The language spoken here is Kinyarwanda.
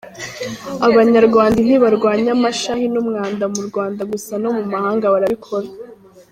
Abanyarwanda ntibarwanya amashahi n’umwanda mu Rwanda gusa no mu mahanga barabikora.